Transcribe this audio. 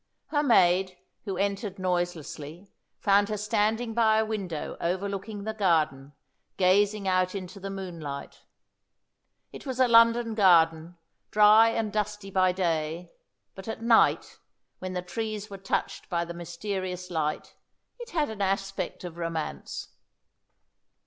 Her maid, who entered noiselessly, found her standing by a window overlooking the garden, gazing out into the moonlight. It was a London garden, dry and dusty by day, but at night, when the trees were touched by the mysterious light, it had an aspect of romance.